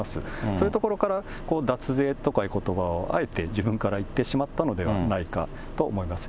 そういうところから脱税とかいうことばを、あえて自分から言ってしまったのではないかと思います。